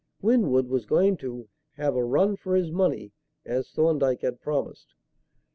Winwood was going to "have a run for his money," as Thorndyke had promised.